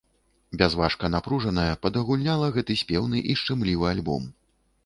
Бязважка-напружаная, падагульняла гэты спеўны і шчымлівы альбом.